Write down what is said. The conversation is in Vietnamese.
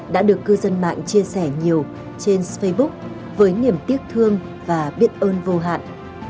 đã được cư dân mạng chia sẻ nhiều trên facebook với niềm tiếc thương và biết ơn vô hạn